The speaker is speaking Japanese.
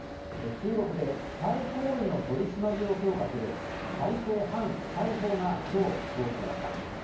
中国でスパイ行為の取締りを強化する、改正反スパイ法がきょう、施行されました。